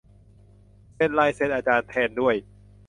เซ็นลายเซ็นอาจารย์แทนด้วย !